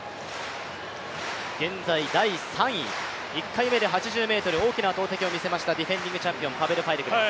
現在、第３位、１回目で８０ｍ、大きな投てきを見せましたディフェンディングチャンピオン、パベル・ファイデクです。